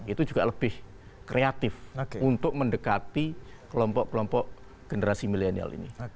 itu juga lebih kreatif untuk mendekati kelompok kelompok generasi milenial ini